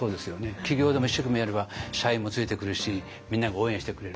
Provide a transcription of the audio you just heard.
企業でも一生懸命やれば社員もついてくるしみんなが応援してくれる。